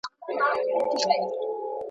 ګلان